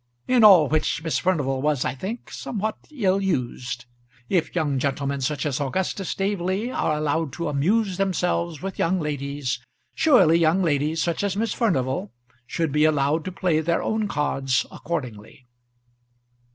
In all which Miss Furnival was I think somewhat ill used. If young gentlemen, such as Augustus Staveley, are allowed to amuse themselves with young ladies, surely young ladies such as Miss Furnival should be allowed to play their own cards accordingly.